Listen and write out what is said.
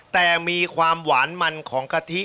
แต่มีความหวานมันของกะทิ